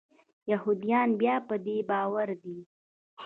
یهودیان بیا په دې باور دي.